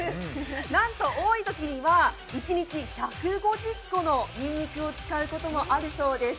なんと、多いときには一日１５０個のにんにくを使うこともあるそうです。